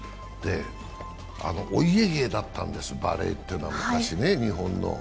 お家芸だったんです、バレーってのは昔、日本の。